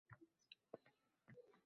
Eslatmani hoziroq yozib qo’ying.